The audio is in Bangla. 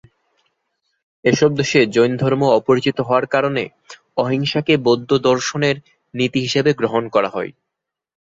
এসব দেশে জৈনধর্ম অপরিচিত হওয়ার কারণে অহিংসাকে বৌদ্ধদর্শনের নীতি হিসেবে গ্রহণ করা হয়।